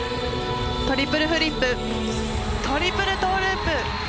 トリプルフリップ、トリプルトーループ。